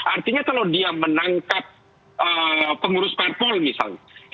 artinya kalau dia menangkap pengurus parpol misalnya